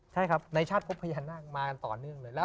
ใช่ครับในชาติพบพญานาคมากันต่อเนื่องเลย